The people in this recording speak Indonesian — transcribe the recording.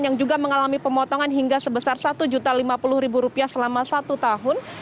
yang juga mengalami pemotongan hingga sebesar satu juta lima puluh ribu rupiah selama satu tahun